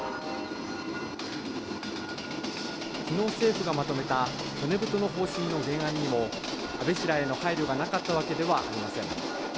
昨日、政府がまとめた骨太の方針の原案にも安倍氏らへの配慮がなかったわけではありません。